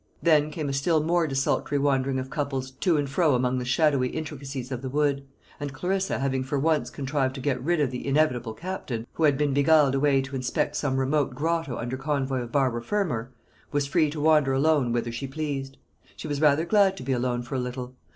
Then came a still more desultory wandering of couples to and fro among the shadowy intricacies of the wood; and Clarissa having for once contrived to get rid of the inevitable Captain, who had been beguiled away to inspect some remote grotto under convoy of Barbara Fermor, was free to wander alone whither she pleased. She was rather glad to be alone for a little.